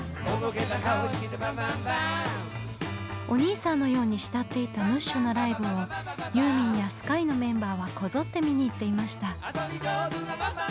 おにいさんのように慕っていたムッシュのライブをユーミンやＳＫＹＥのメンバーはこぞって見に行っていました。